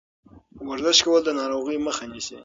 ورزش کول د ناروغیو مخه نیسي.